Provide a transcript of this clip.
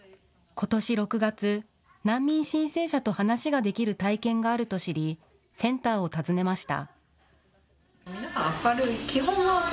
ことし６月、難民申請者と話ができる体験があると知りセンターを訪ねました。